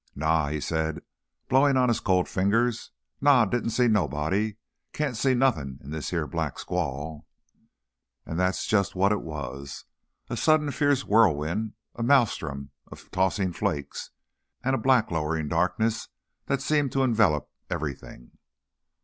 "Naw," he said, blowing on his cold fingers, "naw, didn't see nobody. Can't see nothin' in this here black squall!" And that's just what it was. A sudden fierce whirlwind, a maelstrom of tossing flakes, and a black lowering darkness that seemed to envelop everything.